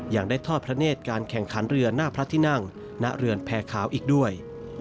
ยังได้ทอดพระเนธการแข่งขันเรือหน้าพระที่นั่งณเรือนแพร่ขาวอีกด้วย